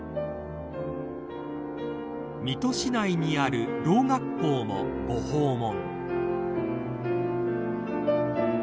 ［水戸市内にある聾学校もご訪問］